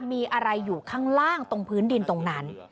มีอะไรอยู่ข้างล่างตรงพื้นดินตรงนั้น